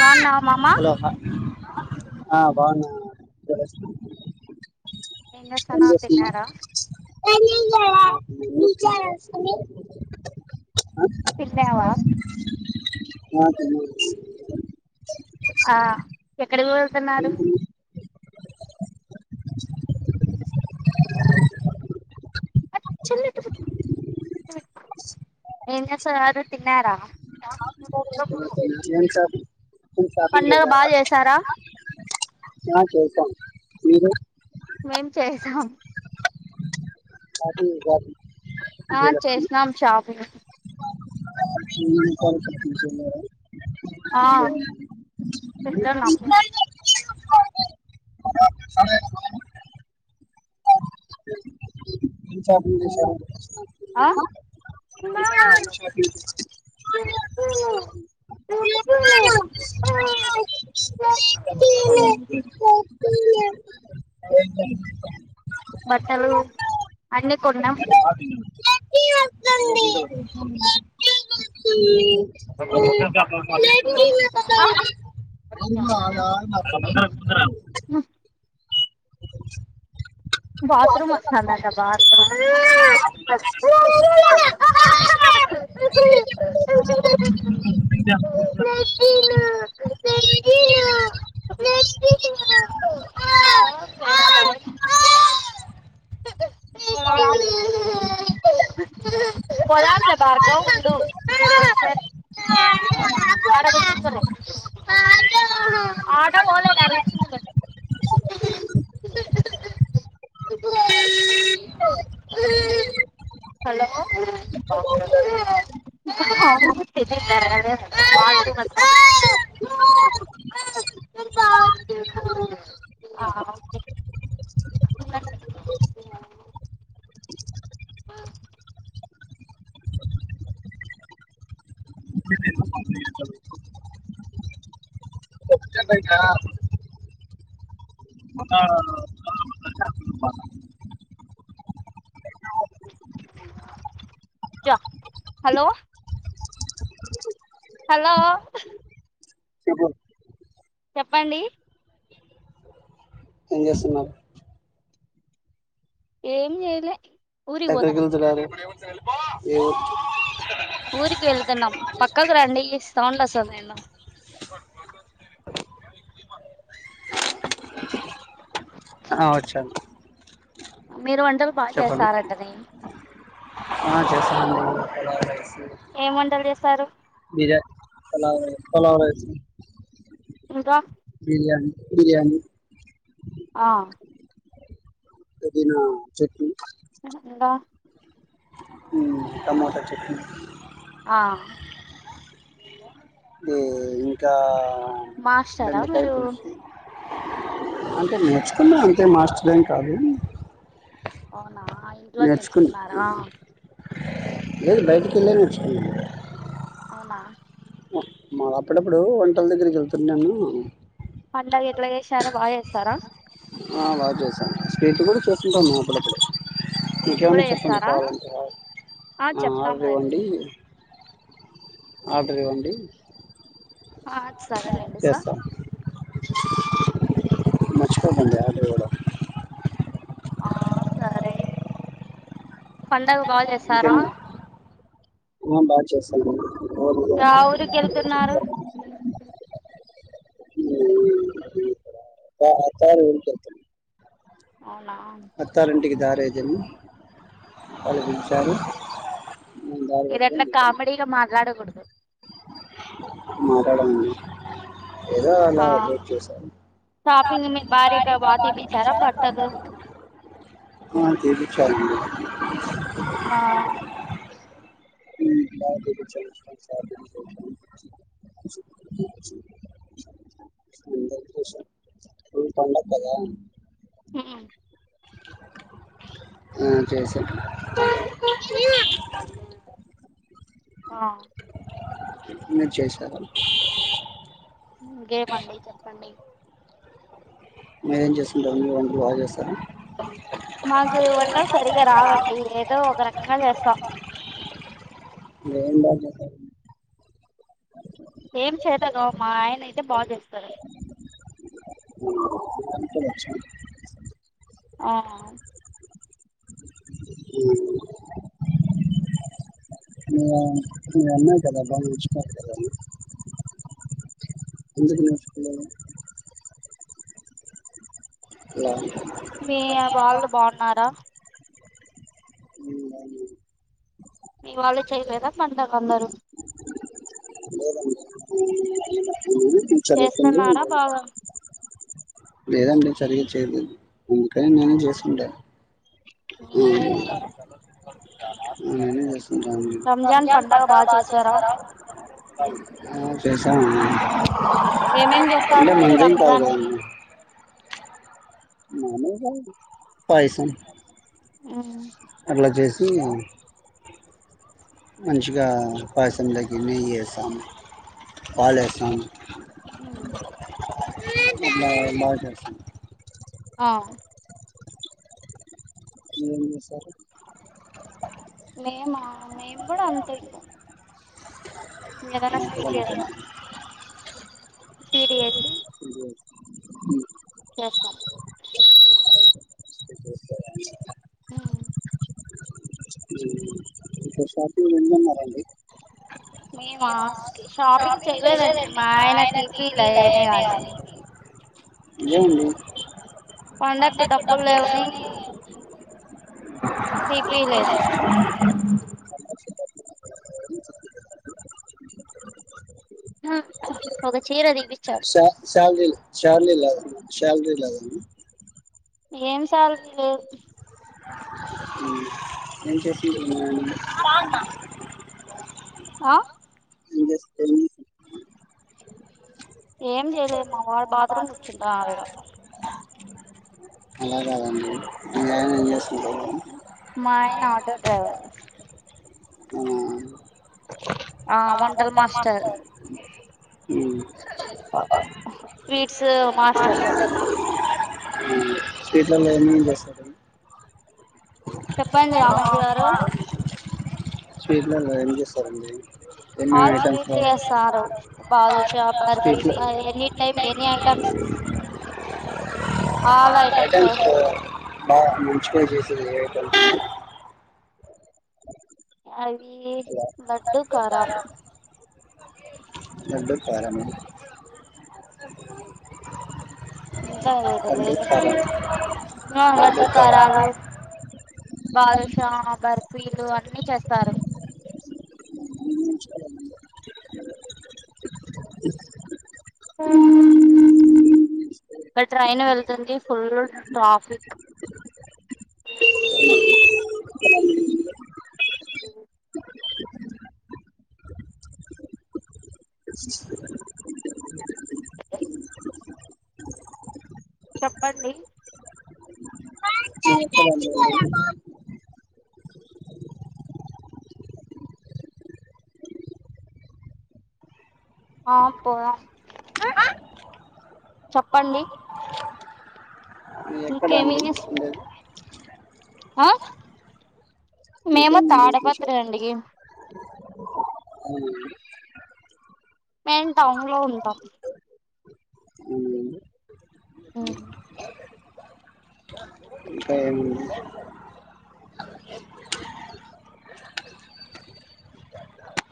బాన్నావా మామా ఆ బాగున్నా తోలసి ఏం చేస్తున్నావ్ ఏమి చెయ్యాలో [inaudible] తిన్నావా అ తిన్న ఆ ఎక్కడికి వెళ్తున్నారు ఏం చేస్తున్నారు తిన్నారా ఏం చాత పండగ బాగా చేసారా ఆ చేసాం మీరు మేం చేసాం పార్టీ పార్టీ ఆ చేసినం షాపింగ్ [inaudible] కొంచమ్ [unintelligible] [inaudible] సరే [unintelligible] ఆ [unintelligible] [unintelligible] [unintelligible] బట్టలు అన్నీ కొన్నాం లెట్రిన్ వస్తుంది [unintelligible] బాత్ రూమ్ వస్తోంది అంట బాత్ రూమ్ ఉమ్ లెట్రిన్ లెట్రిను లెట్రిను లెట్రిను అ [unintelligible] పోదాం లే భార్గవ్ ఉండు [unintelligible] ఆటో పోలేదులే ఆడ కూర్చుందిలే హలో ఒకే [inaudible] [unintelligible] మా బాత్ రూమ్ బయట మ [inaudible] జో హలో హలో చెప్పండి ఏం చేస్తున్నావ్ ఏం చేయలే ఎక్కడికి వెళ్తున్నారు ఏం ఊరికి వెళ్తన్నం పక్కకి రండి ఏ సౌండ్ వస్తుంది ఏందో అ వచ్చ అండి మీరు వంటలు బాగా చేస్తారంటనే ఆ చేస్తారండి పలావ్ రైస్ ఏం వంటలు చేస్తారు బిర్యానీ పలావ్ పలావ్ రైస్ ఇంకా బిర్యాని బిర్యానీ ఆ చట్నీ ఇంకా టమోటా చట్నీ ఆ ఇంకా బెండకాయ పులుసు అంటే నేర్చుకున్న అంతే మాస్టర్ ఏం కాదు అవునా ఇంట్లో నేర్చుకున్నారా లేదు బైటికెళ్లే నేర్చుకున్న అవునా ఆ అప్పుడప్పుడు వంటల దగ్గరికి వెళ్తున్నాను పండగ ఎట్లా చేసారు బాగా చేస్తారా ఆ బాగా చేసాను స్వీట్ కూడా చేసుకుంటాం మేము అప్పుడప్పుడు ఇంకేమన్నా చెప్పండి కావాలంటే ఆ ఆర్డర్ ఇవ్వండి ఆర్డర్ ఇవ్వండి ఆ సరే లెండి ఇస్తా మర్చిపోకండి ఆర్డర్ ఇవ్వడం ఆ సరే పండగ బాగా చేస్తారా ఆ బాగా చేస్తామండి [unintelligible] ఊరికేళ్తున్న అవునా అత్తారింటికి దారేదని వాళ్ళు పిలిచారు మీరు అట్లా కామెడీగా మాట్లాడకూడదు మాట్లాడనండి ఏదో అలా జోక్ చేశారు షాపింగ్ [unintelligible] ఆ చేపించామండీ ఆ [unintelligible] ఉ పండగ కదా ఊ ఉ చేసాను [unintelligible] ఆ నిన్న చేశావా గేమండి చెప్పండి మీరేం చేస్తుంటారు వంటలు బాగా చేస్తారా మాకు వంటలు సరిగ్గా రావండి ఏదో ఒక రకంగా చేస్తాం [unintelligible] ఏం చేతాగావ్ మా ఆయన అయితే బాగా చేస్తారండి ఆ ఆ మీరు అన్నారు కదా బాగా నేర్చుకోవాలి కదా అని ఎందుకు నేర్చుకోలేదు మీ వాళ్ళు బాగున్నారా మీ వాళ్లు చేయలేదా [unintelligible] అందరు ఉ చవుతుంది లేదంటడి చదివిచ్చేది ఎకా ఎ చేసుంట ఆ అ నేనే చెస్ టను రంజాన్ పండగ బాగా చేస్తారా చేస్తామండి ఏమేమి చేస్తారు మీరు రంజాన్కి పాయిసం అట్లా చేసి మంచిగా ఉపాయసం లేకి నెయ్యి వేస్తాము పాలు వేస్తాం ఉ అట్లా బాగా చేస్తాం ఆ మీ సారు మేమ మేం కూడా అంతే ఇంకా ఇంకా ఏదన్నా స్వీట్ చెస్ స్వీట్ చేసి చేస్తాం ఉ మేమ కి షాపింగ్ చేయలేదండి మా ఆయన టీసీల వేరే వాళ్ళకి లేండి పండకు డబ్బులు లేవని తీపియలేదు అబ్బా ఒక చీర తీపి శాలరీ ఇ శాలీ ఇ శాలరిీ ఇల్ అదన్నా ఏం శాలరీ లేదు ఏం చేసి మీ ఆయన ఆ ఏం చేయలేదు మా వాడు బాత్రూమ్ కూర్చుంటున్నాడు ఈడ అలా కాదండి మీ ఆయన ఏం చేస్తుంటాడు మా ఆయన ఆటో డ్రైవర్ ఆ వన్ వంటల మాస్టారు ఉ అబ్బా స్వీట్స్ మాస్టర్ స్వీట్లలో ఏమేమి చేస్తారు చెప్పండి రామంజి గారు స్వీట్లలో ఏం చేస్తారు అండి ఆల్ స్వీట్లు చేస్తారు badusha barfi any time any item items బాగా ముంచిుపోయి తె ఏ ఐటమ్స్ అవి లడ్డు కారాలు లడ్డు కారమా ఇంకా వీడు లేలే ఆ లడ్డు కారాలు బాదుషా బర్ఫీలు అన్నిీ చేస్తారు ఆ మే ట్రైన్ వెళ్తుంది ఫుల్ ట్రాఫిక్ చెప్పండి ఆ పోయా చెప్పండి ఇంకేమి ఆ మేము తాడపత్రి అండి మేం టౌన్ లో ఉంటాం మ్మ్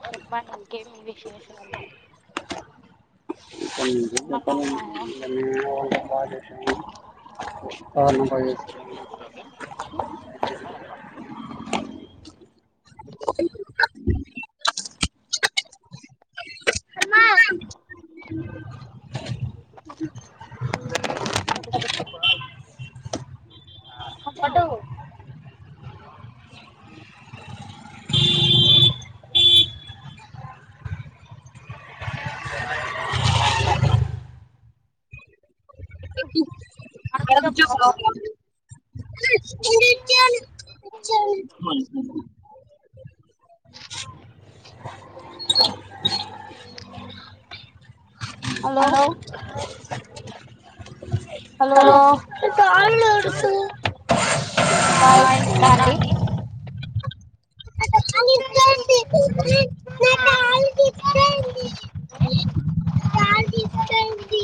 చెప్పండి ఇంకేమి విశేషాలు ఏమన్నా ఉన్నాయా ఆ ఉన్నాయి అ అ హద ఆడ కుచ్చోపొ లోపల ాల హలో హలో బాయ్ ఉంటా అండి అ అ కా చ తీసుకంది